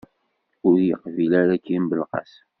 Ur yeqbil ara Krim Belqasem!